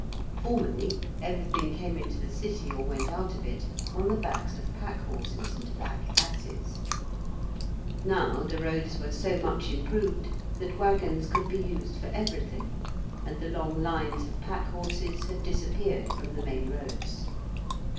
Formerly everything came into the City or went out of it on the backs of pack horses and pack asses. Now the roads were so much improved that waggons could be used for everything, and the long lines of pack horses had disappeared from the main roads.